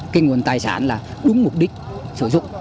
cái nguồn tài sản là đúng mục đích sử dụng